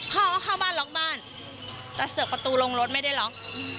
พ่อก็เข้าบ้านล็อกบ้านแต่เสือกประตูลงรถไม่ได้ล็อก